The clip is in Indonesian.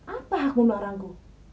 apa hakmu narangku